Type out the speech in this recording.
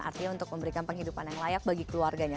artinya untuk memberikan penghidupan yang layak bagi keluarganya